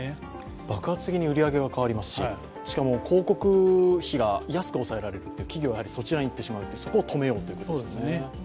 爆発的に売り上げは伸びますし、しかも広告費が安く抑えられるので企業はそちらにいってしまう、そこを止めようということですね。